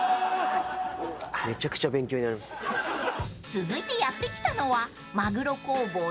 ［続いてやって来たのは］